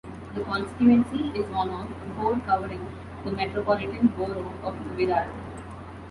The constituency is one of four covering the Metropolitan Borough of Wirral.